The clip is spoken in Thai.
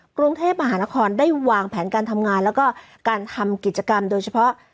กรุงเทพมหานครได้วางแผนการทำงานแล้วก็การทำกิจกรรมโดยเฉพาะ